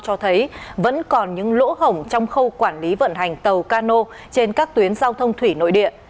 cho thấy vẫn còn những lỗ hổng trong khâu quản lý vận hành tàu cano trên các tuyến giao thông thủy nội địa